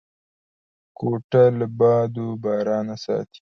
کوټه له باد و بارانه ساتي.